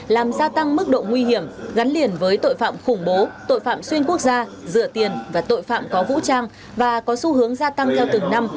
làm gia tăng mức độ nguy hiểm gắn liền với tội phạm khủng bố tội phạm xuyên quốc gia rửa tiền và tội phạm có vũ trang và có xu hướng gia tăng theo từng năm